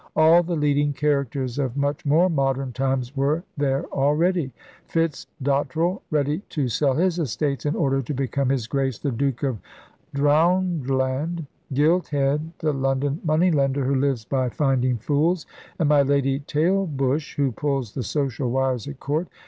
All the leading characters of much more modern times were there already; Fitzdottrell, ready to sell his estates in order to become His Grace the Duke of Drown'dland, Gilthead, the London moneylender who 'lives by finding fools,' and My Lady Tailbush, who pulls the social wires at court.